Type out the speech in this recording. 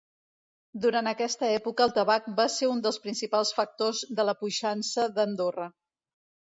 Durant aquesta època el tabac va ser un dels principals factors de la puixança d'Andorra.